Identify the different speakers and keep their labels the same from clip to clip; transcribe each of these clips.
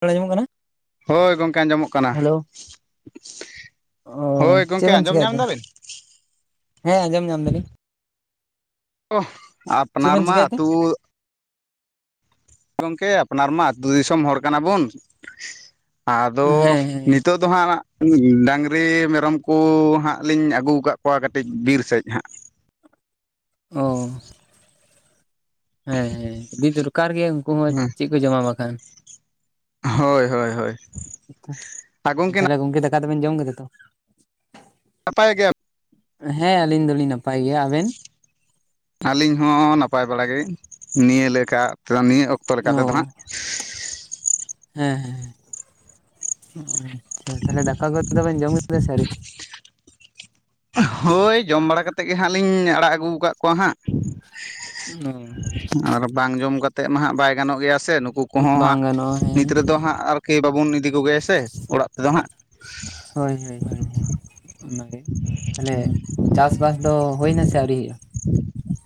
Speaker 1: ᱨᱚᱲ ᱟᱡᱸᱚᱢᱚᱜ ᱠᱟᱱᱟ?
Speaker 2: ᱦᱳᱭ ᱜᱚᱝᱠᱮ ᱟᱸᱡᱚᱢᱚᱜ ᱠᱟᱱᱟ
Speaker 1: ᱦᱮᱞᱳ
Speaker 2: ᱾
Speaker 1: ᱚ ᱪᱮᱫ ᱵᱮᱱ ᱪᱮᱠᱟᱭᱮᱛ ᱛᱮ? ᱦᱮᱸ ᱟᱸᱡᱚᱢ ᱧᱟᱢ ᱫᱟᱹᱞᱤᱧ ᱾
Speaker 2: ᱚ
Speaker 1: ᱪᱮᱫ
Speaker 2: ᱟᱯᱱᱟᱨ
Speaker 1: ᱵᱮᱱ
Speaker 2: ᱢᱟ
Speaker 1: ᱪᱮᱠᱟᱭᱮᱫ ᱛᱮ?
Speaker 2: ᱟᱛᱩ ᱜᱚᱝᱠᱮ ᱟᱯᱱᱟᱨ ᱢᱟ ᱟᱹᱛᱩ ᱫᱤᱥᱚᱢ ᱦᱚᱲ ᱠᱟᱱᱟ ᱵᱚᱱ ᱟᱫᱚ
Speaker 1: ᱦᱮᱸ ᱦᱮᱸ
Speaker 2: ᱱᱤᱛᱚᱜ ᱫᱚ ᱦᱟᱸᱜ ᱰᱟᱝᱨᱤ ᱢᱮᱨᱚᱢ ᱠᱚ ᱦᱟᱸᱜ ᱞᱤᱧ ᱟᱹᱜᱩ ᱟᱠᱟᱫ ᱠᱚᱣᱟ ᱠᱟᱹᱴᱤᱡ ᱵᱤᱨ ᱥᱮᱫ ᱦᱟᱸᱜ ᱾
Speaker 1: ᱚ ᱾ ᱦᱮᱸ ᱦᱮᱸ ᱤᱫᱤ ᱫᱚᱨᱠᱟᱨ ᱜᱮᱭᱟ ᱩᱱᱠᱩ ᱦᱚᱸ
Speaker 2: ᱦᱮᱸ
Speaker 1: ᱪᱮᱫ ᱠᱚ ᱡᱚᱢᱟ ᱵᱟᱠᱷᱟᱱ?
Speaker 2: ᱦᱳᱭ ᱦᱳᱭ ᱦᱳᱭ ᱟᱨ ᱜᱚᱝᱠᱮ ᱱᱟ
Speaker 1: ᱫᱟᱠᱟ ᱫᱚᱵᱮᱱ ᱡᱚᱢ ᱠᱮᱫᱟ ᱛᱚ?
Speaker 2: ᱱᱟᱯᱟᱭ ᱜᱮᱭᱟ
Speaker 1: ᱦᱮᱸ ᱟᱞᱤᱧ ᱫᱚᱞᱤᱧ ᱱᱟᱯᱟᱭ ᱜᱮᱭᱟ ᱾ ᱟᱵᱮᱱ?
Speaker 2: ᱟᱞᱤᱧ ᱦᱚᱸ ᱱᱟᱯᱟᱭ ᱵᱟᱲᱟ ᱜᱮ, ᱱᱤᱭᱟᱹ ᱞᱮᱠᱟ ᱛᱮ ᱱᱤᱭᱟᱹ ᱚᱠᱛᱚ
Speaker 1: ᱚ
Speaker 2: ᱞᱮᱠᱟᱛᱮ ᱫᱚ ᱦᱟᱸᱜ ᱾
Speaker 1: ᱦᱮᱸ ᱦᱮᱸ ᱦᱩᱸ᱾ ᱦᱮᱸ ᱛᱟᱦᱚᱞᱮ ᱫᱟᱠᱟ ᱠᱚᱫᱚ ᱵᱮᱱ ᱡᱚᱢ ᱠᱮᱫᱟ ᱥᱮ ᱟᱹᱣᱨᱤ?
Speaker 2: ᱦᱳᱭ ᱡᱚᱢ ᱵᱟᱲᱟ ᱠᱟᱛᱮᱜ ᱜᱮ ᱦᱟᱸᱜ ᱞᱤᱧ ᱟᱲᱟᱜ ᱟᱹᱜᱩ ᱟᱠᱟᱫ ᱠᱚᱣᱟ ᱦᱟᱸᱜ ᱾ ᱟᱨ ᱵᱟᱝ ᱡᱚᱢ ᱠᱟᱛᱮᱜ ᱢᱟ ᱦᱟᱸᱜ ᱵᱟᱭ ᱜᱟᱱᱚᱜ ᱜᱮᱭᱟ ᱥᱮ ᱱᱩᱠᱩ ᱠᱚᱦᱚᱸ
Speaker 1: ᱵᱟᱝ
Speaker 2: ᱦᱟᱸᱜ
Speaker 1: ᱜᱟᱱᱚᱜᱼᱟ ᱦᱮᱸ᱾
Speaker 2: ᱱᱤᱛ ᱨᱮᱫᱚ ᱦᱟᱸᱜ ᱟᱨᱠᱤ ᱵᱟᱵᱚᱱ ᱤᱫᱤ ᱠᱚᱜᱮᱭᱟ ᱥᱮ ᱚᱲᱟᱜ ᱛᱮᱫᱚ ᱦᱟᱸᱜ ᱾
Speaker 1: ᱚᱱᱟ ᱜᱮ, ᱛᱟᱦᱚᱞᱮ ᱪᱟᱥ ᱵᱟᱥ ᱫᱚ ᱦᱩᱭ ᱮᱱᱟ ᱥᱮ ᱟᱹᱣᱨᱤ ᱦᱩᱭᱩᱜ-ᱟ?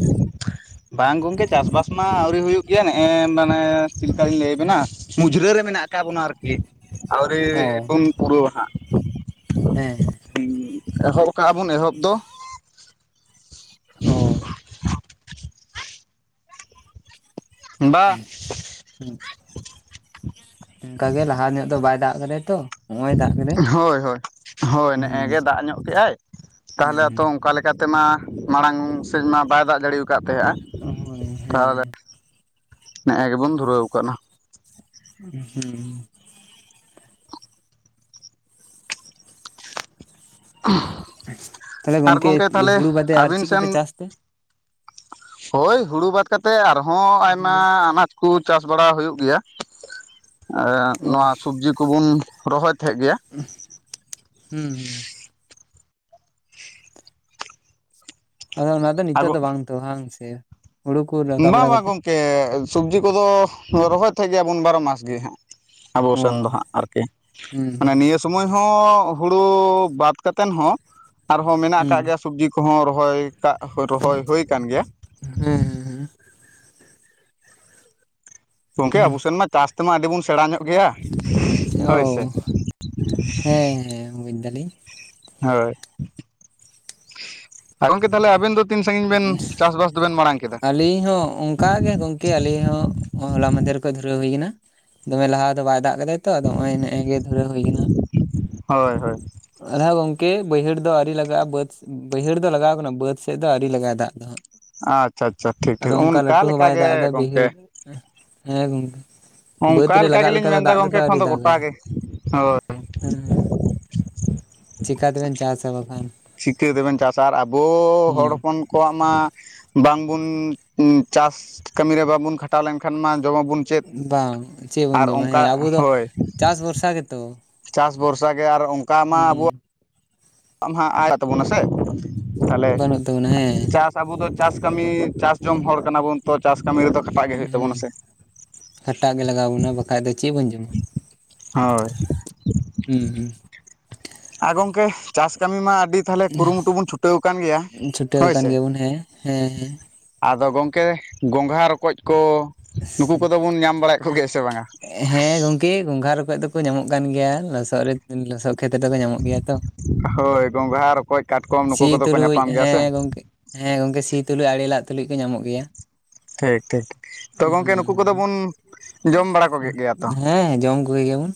Speaker 2: [inaudible] ᱵᱟᱝ ᱜᱚᱝᱠᱮ ᱪᱟᱥ ᱵᱟᱥ ᱢᱟ ᱟᱹᱣᱨᱤ ᱦᱩᱭᱩᱜ ᱜᱮᱭᱟ, ᱱᱮᱜᱼᱮ ᱢᱟᱱᱮ ᱪᱤᱞᱠᱟᱞᱤᱧ ᱞᱟᱹᱭ ᱟᱵᱮᱱᱟ? ᱩᱡᱽᱨᱟᱹ ᱨᱮ ᱢᱮᱱᱟᱜ ᱠᱟᱜ ᱵᱚᱱᱟ ᱟᱨᱠᱤ ᱟᱹᱣᱨᱤ
Speaker 1: ᱚ
Speaker 2: ᱵᱚᱱ ᱯᱩᱨᱟᱹᱣ-ᱟ ᱦᱟᱸᱜ ᱾
Speaker 1: ᱦᱮᱸ ᱾
Speaker 2: ᱮᱦᱚᱵ ᱠᱟᱜ-ᱟ ᱵᱚᱱ ᱮᱦᱚᱵ ᱫᱚ ᱾
Speaker 1: ᱚ᱾
Speaker 2: [inaudible] ᱵᱟ᱾
Speaker 1: ᱚᱱᱠᱟ ᱜᱮ ᱞᱟᱦᱟ ᱧᱚᱜ ᱫᱚ ᱵᱟᱭ ᱫᱟᱜ ᱠᱟᱫᱟᱭ ᱛᱚ᱾ ᱱᱚᱜᱼᱚᱭ ᱫᱟᱜ ᱠᱮᱫᱟᱭ
Speaker 2: ᱦᱳᱭ ᱦᱳᱭ ᱦᱳᱭ ᱱᱮ-ᱮ
Speaker 1: ᱦᱩᱸ
Speaker 2: ᱜᱮ ᱫᱟᱜ ᱧᱚᱜ ᱠᱮ-ᱟᱭ ᱛᱟᱦᱚᱞᱮ ᱛᱚ
Speaker 1: ᱦᱩᱸ
Speaker 2: ᱚᱱᱠᱟ ᱞᱮᱠ ᱪᱤᱠᱟᱛᱮ ᱢᱟ ᱢᱟᱲᱟᱝ ᱥᱮᱫ ᱢᱟ ᱵᱟᱭ ᱫᱟᱜ ᱡᱟᱲᱣᱠᱟᱫ ᱛᱟᱦᱮᱸᱫᱼᱟ᱾
Speaker 1: ᱦᱳᱭ
Speaker 2: ᱛᱟᱦᱚᱞᱮ
Speaker 1: ᱦᱮᱸ
Speaker 2: ᱱᱮ-ᱮ ᱜᱮᱵᱚᱢ ᱫᱷᱩᱨᱟᱹᱣ ᱟᱠᱟᱱᱟ᱾
Speaker 1: ᱦᱩᱸ᱾ ᱛᱟᱦᱚᱞᱮ
Speaker 2: ᱟᱨ ᱜᱚᱝᱠᱮ ᱛᱟᱦᱚᱞᱮ
Speaker 1: ᱦᱩᱲᱩ ᱵᱟᱫᱮ ᱟᱨ
Speaker 2: ᱟᱹᱵᱤᱱ
Speaker 1: ᱪᱮᱫ
Speaker 2: ᱥᱮᱱ
Speaker 1: ᱠᱚᱯᱮ ᱪᱟᱥ ᱛᱮ
Speaker 2: ᱦᱳᱭ ᱦᱩᱲᱩ ᱵᱟᱫ ᱠᱟᱛᱮᱫ ᱟᱨᱦᱚᱸ ᱟᱭᱢᱟ ᱟᱱᱟᱴ ᱠᱩ ᱪᱟᱥ ᱵᱟᱲᱟ ᱦᱩᱭᱩᱜ ᱜᱮᱭᱟ᱾ ᱮᱫ
Speaker 1: ᱚ
Speaker 2: ᱱᱚᱣᱟ ᱥᱚᱵᱽᱡᱤ ᱠᱚᱵᱩᱱ ᱨᱚᱦᱚᱭ ᱛᱟᱦᱮᱸᱫ ᱜᱮᱭᱟ᱾
Speaker 1: ᱦᱩᱸ ᱦᱩᱸ᱾ ᱟᱫᱚ ᱚᱱᱟ ᱫᱚ ᱱᱤᱛᱚᱜ ᱫᱚ
Speaker 2: ᱟᱫᱚ
Speaker 1: ᱵᱟᱝ ᱛᱚ ᱵᱟᱝ ᱥᱮ᱾ ᱦᱩᱲᱩ ᱠᱚ ᱨᱟᱠᱟᱵ
Speaker 2: ᱵᱟᱝ
Speaker 1: ᱵᱟᱲᱟ
Speaker 2: ᱵᱟᱝ
Speaker 1: ᱠᱟᱛᱮ
Speaker 2: ᱜᱚᱝᱠᱮ ᱥᱚᱵᱽᱡᱤ ᱠᱚᱫᱚ ᱨᱚᱦᱚᱭ ᱛᱟᱦᱮᱸᱫ ᱜᱮᱭᱟ ᱵᱚᱱ ᱵᱟᱨᱚ ᱢᱟᱥ ᱜᱮ ᱦᱟᱹᱜ᱾ ᱟᱵᱚ
Speaker 1: ᱚ
Speaker 2: ᱥᱮᱱ ᱫᱚ ᱦᱟᱸᱜ ᱟᱨᱠᱤ
Speaker 1: ᱦᱩᱸ
Speaker 2: ᱢᱟᱱᱮ ᱱᱤᱭᱟᱹ ᱥᱚᱢᱚᱭ ᱦᱚᱸ ᱦᱩᱲᱩ ᱵᱟᱫ ᱠᱟᱛᱮᱱ ᱦᱚᱸ ᱟᱨᱦᱚᱸ ᱢᱮᱱᱟᱜ
Speaker 1: ᱦᱩᱸ
Speaker 2: ᱟᱠᱟᱫ ᱜᱮᱭᱟ ᱥᱚᱵᱽᱡᱤ ᱠᱚᱦᱚᱸ ᱨᱚᱦᱚᱭ ᱠᱟᱜ ᱨᱚᱦᱚᱭ ᱦᱳᱭ ᱟᱠᱟᱱ ᱜᱮᱭᱟ᱾
Speaker 1: ᱦᱮᱸ ᱦᱮᱸ ᱦᱮᱸ᱾
Speaker 2: ᱜᱚᱢᱠᱮ ᱟᱵᱚ ᱥᱮᱱ ᱢᱟ ᱪᱟᱥ ᱛᱮᱢᱟ ᱟᱹᱰᱤ ᱵᱚᱱ ᱥᱮᱬᱟ ᱧᱚᱜ ᱜᱮᱭᱟ
Speaker 1: ᱚ
Speaker 2: ᱦᱳᱭ ᱥᱮ᱾ [inaudible]
Speaker 1: ᱦᱮᱸ ᱦᱮᱸ ᱦᱩᱸ ᱵᱩᱡ ᱫᱟᱞᱤᱧ᱾
Speaker 2: ᱦᱳᱭ ᱟᱨ ᱜᱚᱝᱠᱮ ᱛᱟᱦᱚᱞᱮ ᱟᱵᱮᱱ ᱫᱚ ᱛᱤᱱ ᱥᱟᱺᱜᱤᱧ ᱵᱮᱱ ᱪᱟᱥᱵᱟᱥ ᱫᱚᱵᱮᱱ ᱢᱟᱲᱟᱝ ᱠᱮᱫᱟ?
Speaker 1: ᱟᱹᱞᱤᱧ ᱦᱚᱸ ᱚᱝ ᱠᱟ ᱜᱮ ᱜᱚᱝᱠᱮ ᱟᱞᱤᱧ ᱦᱚᱸ ᱦᱚᱞᱟ ᱢᱟᱫᱮᱨ ᱠᱷᱚᱡ ᱫᱷᱩᱨᱟᱹᱣ ᱦᱩᱭ ᱠᱟᱱᱟ᱾ ᱫᱚᱢᱮ ᱞᱟᱦᱟ ᱫᱚ ᱵᱟᱭ ᱫᱟᱜ ᱠᱟᱫᱟᱭ᱾ ᱛᱚ ᱟᱫᱚ ᱦᱚᱸᱜᱼᱚᱭ ᱱᱮ-ᱮ ᱜᱮ ᱫᱷᱩᱨᱟᱹᱭ ᱦᱩᱭ ᱠᱟᱱᱟ ᱦᱟᱸᱜ᱾
Speaker 2: ᱦᱳᱭ ᱦᱳᱭ᱾
Speaker 1: ᱟᱫᱷᱟ ᱜᱚᱝᱠᱮ ᱵᱟᱹᱭᱦᱟᱹᱲ ᱫᱚ ᱟᱣᱨᱤ ᱞᱟᱜᱟᱜᱼᱟ, ᱵᱟᱹᱫ ᱵᱟᱹᱭᱦᱟᱹᱲ ᱫᱚ ᱞᱟᱜᱟᱣ ᱠᱟᱱᱟ, ᱵᱟᱹᱫᱽ ᱥᱮᱫ ᱫᱚ ᱟᱣᱨᱤ ᱞᱟᱜᱟᱭᱟ ᱫᱟᱜ ᱫᱚ ᱦᱟᱸᱜ᱾
Speaker 2: ᱟᱪᱪᱷᱟ ᱟᱪᱪᱷᱟ ᱴᱷᱤᱠ ᱴᱷᱤᱠ
Speaker 1: ᱟᱫᱚ ᱚᱱᱠᱟ ᱞᱟᱹᱴᱩ ᱦᱚᱸ ᱵᱟᱭ ᱫᱟᱜ ᱮᱫᱟ,
Speaker 2: ᱞᱮᱠᱟᱜᱮ
Speaker 1: ᱵᱟᱹᱭᱦᱟᱹᱲ
Speaker 2: ᱜᱚᱢᱠᱮ
Speaker 1: ᱦᱮᱸ ᱜᱚᱝᱠᱮ᱾ ᱵᱟᱹᱫᱽ
Speaker 2: ᱚᱱᱠᱟ
Speaker 1: ᱨᱮ ᱞᱟᱜᱟᱜ
Speaker 2: ᱜᱮᱞᱤᱧ
Speaker 1: ᱞᱮᱠᱟ ᱫᱚ
Speaker 2: ᱢᱮᱱᱫᱟ
Speaker 1: ᱫᱟᱜ ᱜᱮᱛᱚ
Speaker 2: ᱜᱚᱢᱠᱮ ᱮᱠᱷᱚᱱ
Speaker 1: ᱟᱹᱣᱨᱤ
Speaker 2: ᱫᱚ ᱜᱚᱴᱟ
Speaker 1: ᱫᱟᱜᱟᱭ᱾
Speaker 2: ᱜᱮ ᱦᱳᱭ
Speaker 1: ᱦᱩᱸ᱾ ᱪᱤᱠᱟ ᱛᱮᱵᱮᱱ ᱪᱟᱥᱟ ᱵᱟᱠᱷ
Speaker 2: ᱪᱤᱠᱟᱹ ᱛᱮᱵᱮᱱ ᱪᱟᱥᱟ ᱟᱨ ᱟᱵᱚ ᱦᱚᱲ
Speaker 1: ᱦᱩᱸ
Speaker 2: ᱦᱚᱯᱚᱱ ᱠᱚᱣᱟᱜ ᱢᱟ ᱵᱟᱝᱵᱚᱱ ᱪᱟᱥ ᱠᱟᱹᱢᱤ ᱨᱮ ᱵᱟᱵᱚᱱ ᱠᱷᱟᱴᱟᱣ ᱞᱮᱱᱠᱷᱟᱱ ᱢᱟ ᱡᱚᱢᱟᱵᱚᱱ ᱪᱮᱫ?
Speaker 1: ᱵᱟᱝ ᱪᱮᱫ ᱵᱚᱱ
Speaker 2: ᱟᱨ
Speaker 1: ᱡᱚᱢᱟ
Speaker 2: ᱚᱱᱠᱟ
Speaker 1: ᱦᱮᱸ ᱟᱵᱚ ᱫᱚ
Speaker 2: ᱦᱳᱭ᱾
Speaker 1: ᱪᱟᱥ ᱵᱷᱚᱨᱥᱟ ᱜᱮᱛᱚ
Speaker 2: ᱪᱟᱥ ᱵᱷᱚᱨᱥᱟ ᱜᱮ ᱟᱨ ᱚᱱᱠᱟ ᱢᱟ ᱟᱵᱚᱣᱟᱜ
Speaker 1: ᱦᱩᱸ
Speaker 2: ᱟᱢ ᱦᱟᱸᱜ [unintelligible] ᱛᱟᱵᱚᱱᱟ ᱥᱮ ᱛᱟᱦᱚᱞᱮ
Speaker 1: ᱵᱟᱹᱱᱩᱜ ᱛᱟᱵᱚᱱᱟ ᱦᱮᱸ
Speaker 2: ᱪᱟᱥ ᱥᱟ ᱟᱵᱚ ᱫᱚ ᱪᱟᱥ ᱠᱟᱹᱢᱤ ᱪᱟᱥ ᱡᱚᱢ ᱦᱚᱲ ᱠᱟᱱᱟ ᱵᱚᱱ, ᱛᱚ ᱪᱟᱥ ᱠᱟᱹᱢᱤ ᱨᱮᱫᱚ ᱠᱷᱟᱴᱟᱜ ᱜᱮ ᱦᱩᱭᱩᱜ ᱛᱟᱵᱚᱱᱟ ᱥᱮ᱾
Speaker 1: ᱠᱷᱟᱴᱟᱜ ᱜᱮ ᱞᱟᱜᱟᱣ ᱵᱚᱱᱟ ᱵᱟᱠᱷᱟᱡ ᱫᱚ ᱪᱮᱫ ᱵᱚᱱ ᱡᱚᱢᱟ᱾
Speaker 2: ᱦᱳᱭ
Speaker 1: ᱦᱩᱸ ᱦᱩᱸ᱾
Speaker 2: ᱟᱨ ᱜᱚᱢᱠᱮ ᱪᱟᱥ ᱠᱟᱹᱢᱤ ᱢᱟ ᱟᱹᱰᱤ ᱛᱟᱞᱦᱮ ᱠᱩᱨᱩᱢᱩᱴᱩ ᱵᱚᱱ ᱪᱷᱩᱴᱟᱹᱣ ᱟᱠᱟᱱ ᱜᱮᱭᱟ
Speaker 1: ᱪᱷᱩᱴᱟᱹᱣ
Speaker 2: ᱦᱳᱭ
Speaker 1: ᱟᱠᱟᱱ
Speaker 2: ᱥᱮ᱾
Speaker 1: ᱜᱮᱭᱟᱵᱚᱱ ᱦᱮᱸ ᱦᱮᱸ ᱦᱮᱸ
Speaker 2: ᱟᱫᱚ ᱜᱚᱢᱠᱮ ᱜᱚᱝᱜᱷᱟᱹ ᱨᱚᱠᱚᱡ ᱠᱚ ᱱᱩᱠᱩ ᱠᱚᱫᱚ ᱵᱚᱱ ᱧᱟᱢ ᱵᱟᱲᱟᱭᱮᱫ ᱠᱚᱜᱮᱭᱟ ᱥᱮ ᱵᱟᱝᱟ?
Speaker 1: ᱦᱮᱸ ᱜᱚᱝᱠᱮ ᱜᱚᱝᱜᱷᱟᱹ ᱨᱚᱠᱚᱡ ᱫᱚᱠᱚ ᱧᱟᱢᱚᱜ ᱠᱟᱱ ᱜᱮᱭᱟ᱾ ᱞᱚᱥᱚᱫ ᱨᱮ ᱞᱚᱥᱚᱫ ᱠᱷᱮᱛ ᱨᱮᱫᱚᱠᱚ ᱧᱟᱢᱚᱜ ᱜᱮᱭᱟ ᱛᱚ᱾
Speaker 2: ᱦᱳᱭ ᱜᱚᱝᱜᱷᱟ, ᱨᱚᱠᱚᱡ, ᱠᱟᱴᱠᱚᱢ ᱱᱩᱠᱩ
Speaker 1: ᱥᱤ
Speaker 2: ᱠᱚᱫᱚ ᱠᱚ
Speaker 1: ᱛᱩᱞᱩᱡ
Speaker 2: ᱧᱟᱯᱟᱢ ᱜᱮᱭᱟ ᱥᱮ᱾
Speaker 1: ᱦᱮᱸ ᱜᱚᱝᱠᱮ ᱦᱮᱸ ᱜᱚᱝᱠᱮ ᱥᱤ ᱛᱩᱞᱩᱡ ᱟᱲᱮ ᱞᱟᱜ ᱛᱩᱞᱩᱡ ᱠᱚ ᱧᱟᱢᱚᱜ ᱜᱮᱭᱟ
Speaker 2: ᱴᱷᱤᱠ ᱴᱷᱤᱠ ᱛᱚ ᱜᱚᱝᱠᱮ ᱱᱩᱠᱩ ᱠᱚᱫᱚ
Speaker 1: ᱦᱩᱸ
Speaker 2: ᱵᱚᱱ ᱡᱚᱢ ᱵᱟᱲᱟ ᱠᱚ ᱠᱮᱫ ᱜᱮᱭᱟ ᱛᱚ᱾
Speaker 1: ᱦᱮᱸ [unintelligible] ᱜᱮᱭᱟᱵᱚᱱ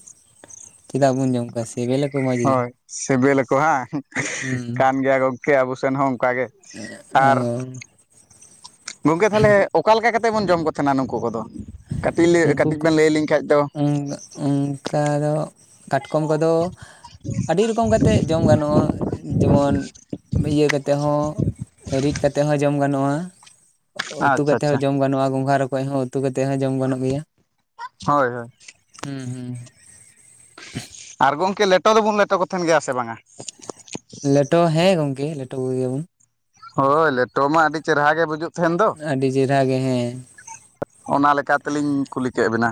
Speaker 1: ᱪᱮᱫᱟᱜ ᱵᱚᱱ ᱡᱚᱢ ᱠᱚᱣᱟ ᱥᱮᱵᱮᱞ ᱟᱠᱚ ᱢᱚᱸᱡᱽ ᱜᱮ᱾
Speaker 2: ᱥᱨᱵᱤᱞ ᱟᱠᱚ ᱦᱟᱸᱝ
Speaker 1: ᱦᱩᱸ
Speaker 2: ᱠᱟᱱ ᱜᱮᱭᱟ ᱜᱚᱢᱠᱮ ᱟᱵᱚ ᱥᱮᱱ ᱦᱚᱸ ᱚᱝᱠᱟᱜᱮ
Speaker 1: ᱚ
Speaker 2: ᱟᱨ ᱜᱚᱝᱠᱮ ᱛᱟᱦᱚᱞᱮ ᱚᱠᱟ ᱞᱮᱠᱟ ᱠᱟᱛᱮᱫ ᱵᱚᱱ ᱡᱚᱢ ᱠᱚ᱾ ᱛᱟᱦᱮᱱᱟ ᱱᱩᱠᱩ ᱠᱚᱫᱚ ᱠᱟᱹᱴᱤᱡ ᱞᱮ ᱠᱟᱹᱴᱤᱡ ᱵᱮᱱ ᱞᱟᱹᱭ ᱟᱹᱞᱤᱧ ᱠᱷᱟᱡ ᱫᱚ
Speaker 1: ᱚᱝᱠᱟ ᱫᱚ ᱠᱟᱴᱠᱚᱢ ᱠᱚᱫᱚ ᱟᱹᱰᱤ ᱨᱚᱠᱚᱢ ᱠᱟᱛᱮᱫ ᱡᱚᱢ ᱜᱟᱱᱚᱜᱼᱟ᱾ ᱡᱮᱢᱚᱱ ᱤᱭᱟᱹ ᱠᱟᱛᱮᱫ ᱦᱚᱸ, ᱨᱤᱫ ᱠᱟᱛᱮ ᱠᱟᱛᱮ ᱦᱚᱸ ᱡᱚᱢ ᱜᱟᱱᱚᱜᱼᱟ᱾ ᱩᱛᱩ
Speaker 2: ᱟᱪᱪᱷᱟ
Speaker 1: ᱠᱟᱛᱮ ᱦᱚᱸ
Speaker 2: ᱟᱪᱪᱷᱟ
Speaker 1: ᱡᱚᱢ ᱜᱟᱱᱚᱜᱼᱟ᱾ ᱜᱚᱝᱜᱷᱟ, ᱨᱚᱠᱚᱡ ᱦᱚᱸ ᱩᱛᱩ ᱠᱟᱛᱮ ᱦᱚᱸ ᱡᱚᱢ ᱜᱟᱱᱚᱜ ᱜᱮᱭᱟ᱾
Speaker 2: ᱦᱳᱭ ᱦᱳᱭ᱾
Speaker 1: ᱦᱩᱸ ᱦᱩᱸ᱾
Speaker 2: ᱟᱨ ᱜᱚᱝᱠᱮ ᱞᱮᱴᱚ ᱫᱚᱵᱚᱱ ᱞᱮᱴᱚ ᱠᱚ ᱛᱟᱦᱮᱱ ᱜᱮᱭᱟ ᱥᱮ ᱵᱟᱝᱼᱟ?
Speaker 1: ᱞᱮᱴᱚ ᱦᱮᱸ ᱜᱚᱝᱠᱮ ᱞᱮᱴᱚ ᱠᱚ ᱜᱮᱭᱟ ᱵᱚᱱ᱾
Speaker 2: ᱦᱳᱭ, ᱞᱮᱴᱚ ᱢᱟ ᱟᱹᱰᱤ ᱪᱮᱦᱮᱨᱟ ᱜᱮ ᱵᱩᱡᱷᱟᱹᱣ
Speaker 1: ᱟᱹᱰᱤ ᱪᱮᱦᱨᱟ ᱜᱮ ᱦᱮᱸ᱾
Speaker 2: ᱚᱱᱟ ᱞᱮᱠᱟ ᱛᱮᱞᱤᱧ ᱠᱩᱞᱤ ᱠᱮᱜ ᱵᱤᱱᱟ᱾